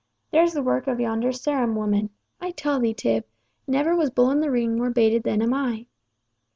There's the work of yonder Sarum woman. I tell thee, Tib, never was bull in the ring more baited than am I."